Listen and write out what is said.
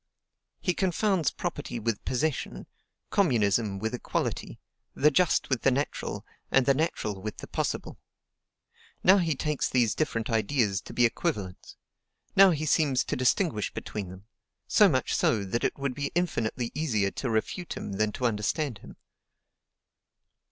He confounds property with possession, communism with equality, the just with the natural, and the natural with the possible. Now he takes these different ideas to be equivalents; now he seems to distinguish between them, so much so that it would be infinitely easier to refute him than to understand him.